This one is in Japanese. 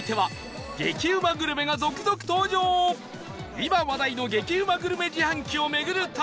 今話題の激うまグルメ自販機を巡る旅